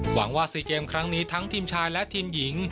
หวังว่า๔เกมครั้งนี้ทั้งทีมชายและทีมหญิง